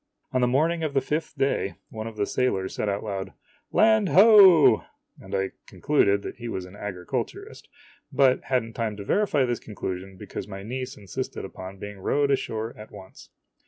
On the morning of the fifth day, one of the sailors said out loud, "Land hoe!" and I concluded he was an agriculturist, but had n't o time to verify this conclusion because my niece insisted upon being rowed ashore at once.